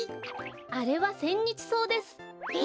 あれはセンニチソウです。え？